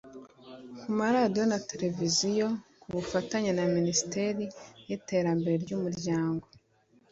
ku maradiyo na Televiziyo ku bufatanye na Minisiteri y’Iterambere ry’Umuryango,